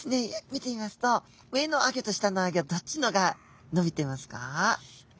見てみますと上のあギョと下のあギョどっちのがのびてますか？